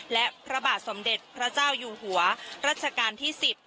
และพระบาทสมเด็จพระเจ้าอยู่หัวรัชกาลที่๑๐